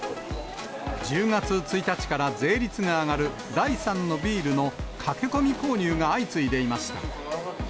１０月１日から税率が上がる第３のビールの駆け込み購入が相次いでいました。